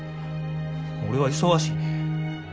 俺は忙しいねん。